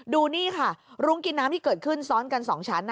ดูนี่ค่ะรุ้งกินน้ำที่เกิดขึ้นซ้อนกัน๒ชั้น